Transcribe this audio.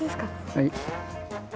はい。